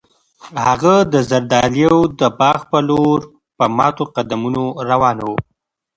هغه د زردالیو د باغ په لور په ماتو قدمونو روان و.